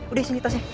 udah sini kita sih